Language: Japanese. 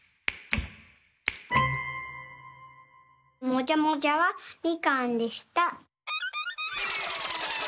もじゃもじゃはみかんでした。